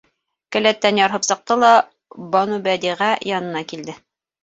Келәттән ярһып сыҡты ла, Банубәдиғә янына килде.